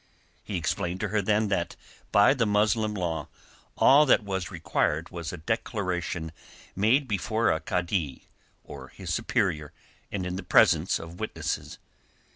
He explained to her then that by the Muslim law all that was required was a declaration made before a kadi, or his superior, and in the presence of witnesses.